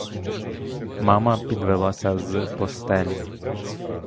Мама підвелася з постелі.